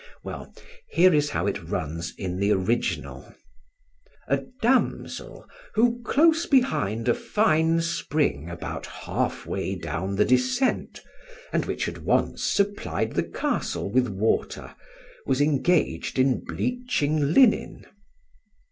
Well, here is how it runs in the original: "a damsel, who, close behind a fine spring about half way down the descent, and which had once supplied the castle with water, was engaged in bleaching linen."